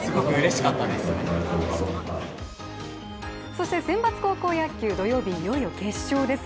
そして選抜高校野球、土曜日いよいよ決勝です。